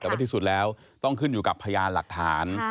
แต่ว่าที่สุดแล้วต้องขึ้นอยู่กับพยานหลักฐาน